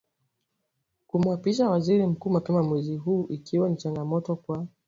kumwapisha Waziri Mkuu mapema mwezi huu ikiwa ni changamoto kwa